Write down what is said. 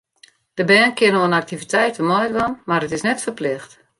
De bern kinne oan aktiviteiten meidwaan, mar it is net ferplicht.